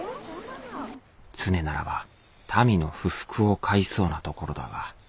常ならば民の不服を買いそうなところだが。